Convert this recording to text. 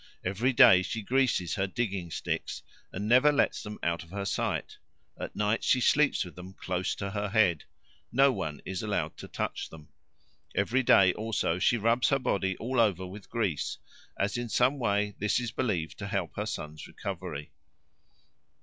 Every day she greases her digging sticks and never lets them out of her sight; at night she sleeps with them close to her head. No one is allowed to touch them. Every day also she rubs her body all over with grease, as in some way this is believed to help her son's recovery.